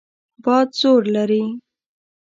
باد زور لري.